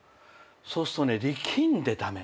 そうするとね力んで駄目。